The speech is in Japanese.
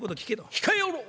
控えおろう。